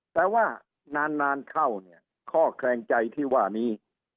แต่ว่านานเข้าเนี่ยข้อแคลงใจที่ว่านี้